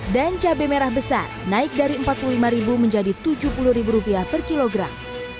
dan cabai merah besar naik dari rp empat puluh lima menjadi rp tujuh puluh per kilogram